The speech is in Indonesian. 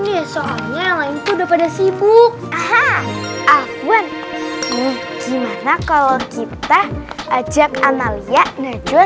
nih soalnya lain sudah pada sibuk ah ah ah buan nih gimana kalau kita ajak analia najwa